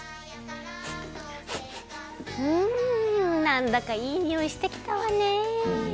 なんだかいいにおいしてきたわね！